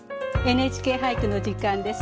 「ＮＨＫ俳句」の時間です。